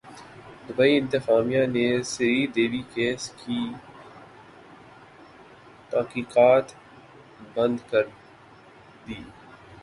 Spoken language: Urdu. دبئی انتظامیہ نے سری دیوی کیس کی تحقیقات بند کردی